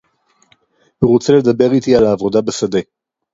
הוּא רוֹצֶה לְדַבֵּר אִיתִּי עַל הָעֲבוֹדָה בַּשָּׂדֶה